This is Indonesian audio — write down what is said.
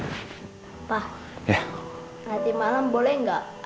nanti malam boleh gak